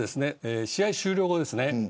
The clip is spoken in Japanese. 試合終了後ですよね